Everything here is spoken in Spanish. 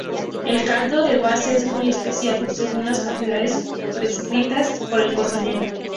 El caldo de base es muy especiado, según las cantidades prescritas por el cocinero.